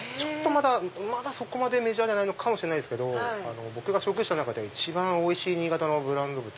まだそこまでメジャーじゃないのかもしれないですけど僕が食した中では一番おいしい新潟のブランド豚。